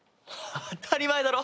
当たり前だろ！